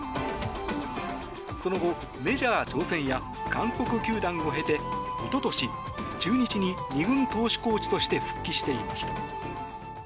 その後、メジャー挑戦や韓国球団を経ておととし、中日に２軍投手コーチとして復帰していました。